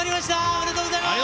ありがとうございます。